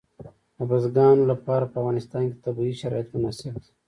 د بزګانو لپاره په افغانستان کې طبیعي شرایط مناسب دي.